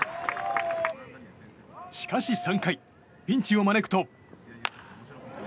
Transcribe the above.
しかし３回、ピンチを招くと。